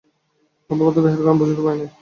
প্রথম প্রথম ইহার কারণ বুঝিতে পারি নাই।